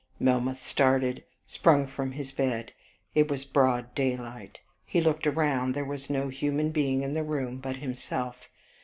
Melmoth started, sprung from his bed, it was broad daylight. He looked round, there was no human being in the room but himself.